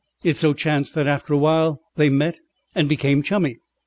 It so chanced that after a while they met and became chummy.